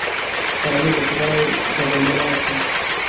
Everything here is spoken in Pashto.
طالبه! خدای که به ملا شې.